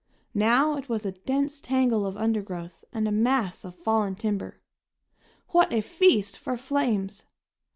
Now it was a dense tangle of undergrowth and a mass of fallen timber. What a feast for flames!